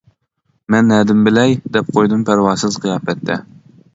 «مەن نەدىن بىلەي» دەپ قويدۇم پەرۋاسىز قىياپەتتە.